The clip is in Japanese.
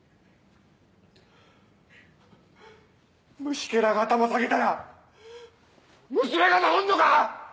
虫けらが頭下げたら娘が治んのか？